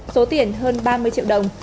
số tiền hơn ba mươi triệu đồng